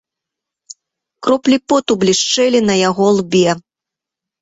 Кроплі поту блішчэлі на яго лбе.